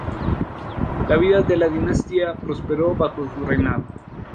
La vida de la dinastía prosperó bajo su reinado.